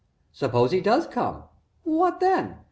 "Suppose he does come what then?